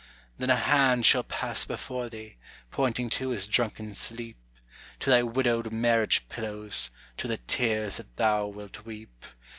Then a hand shall pass before thee, pointing to his drunken sleep, To thy widowed marriage pillows, to the tears that thou wilt weep.